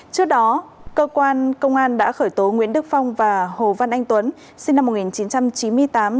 trước đó cơ quan công an đã khởi tố nguyễn đức phong và hồ văn anh tuấn sinh năm một nghìn chín trăm chín mươi tám